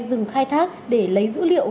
dừng khai thác để lấy dữ liệu